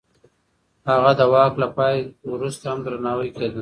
هغه د واک له پای وروسته هم درناوی کېده.